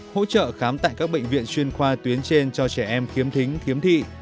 hỗ trợ khám tại các bệnh viện chuyên khoa tuyến trên cho trẻ em khiếm thính khiếm thị